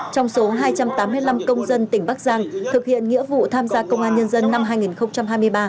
trong số hai trăm tám mươi năm công dân tỉnh bắc giang thực hiện nghĩa vụ tham gia công an nhân dân năm hai nghìn hai mươi ba